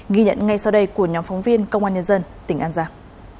ghi nhận ngay sau đây của nhóm phóng viên công an nhân dân tỉnh an giang